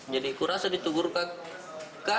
jadi kurasa ditunggu kak